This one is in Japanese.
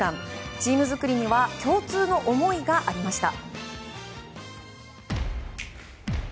チーム作りには共通の思いがありました。